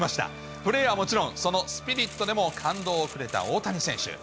プレーはもちろん、そのスピリットでも感動をくれた大谷選手。